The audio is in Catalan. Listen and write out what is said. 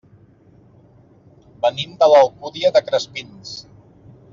Venim de l'Alcúdia de Crespins.